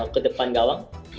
ke depan gawang